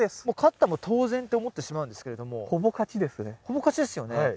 もう勝ったも当然って思ってしまうんですけれどもほぼ勝ちですよね？